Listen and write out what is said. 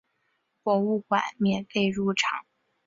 博物馆免费入场。